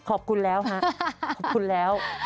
ขอบคุณแล้วฮะขอบคุณแล้ว